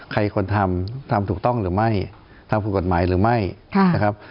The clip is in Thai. ใครควรทำทำถูกต้องหรือไม่ทำผิดกฎหมายหรือไม่นะครับ